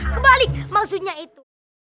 kebalik maksudnya itu